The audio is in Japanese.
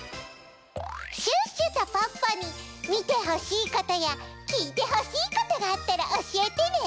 シュッシュとポッポにみてほしいことやきいてほしいことがあったらおしえてね！